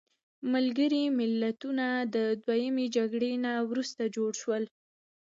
ملګري ملتونه د دویمې جګړې نه وروسته جوړ شول.